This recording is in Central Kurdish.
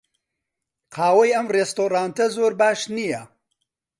قاوەی ئەم ڕێستۆرانتە زۆر باش نییە.